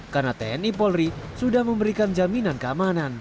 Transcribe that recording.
karena tni polri sudah memberikan jaminan keamanan